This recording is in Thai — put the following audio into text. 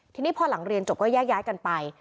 ทีนี้พอหลังเรียนจบก็แยกย้ายกันไป